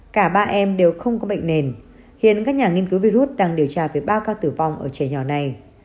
cả ba em đều không có bệnh nền hiện các nhà nghiên cứu virus đang điều tra về ba ca tử vong ở trẻ nhỏ này